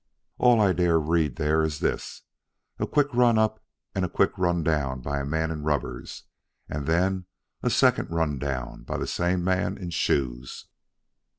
All I dare read there is this: A quick run up and a quick run down by a man in rubbers, and then a second run down by the same man in shoes.